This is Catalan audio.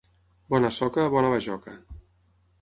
Bona soca, bona bajoca.